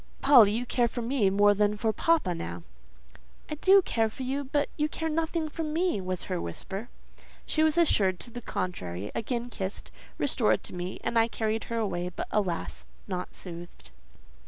"Polly, you care for me more than for papa, now—" "I do care for you, but you care nothing for me," was her whisper. She was assured to the contrary, again kissed, restored to me, and I carried her away; but, alas! not soothed.